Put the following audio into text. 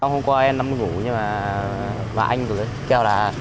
hôm qua em nắm ngủ nhưng mà bà anh vừa kêu là